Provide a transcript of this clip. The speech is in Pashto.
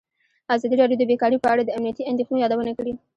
ازادي راډیو د بیکاري په اړه د امنیتي اندېښنو یادونه کړې.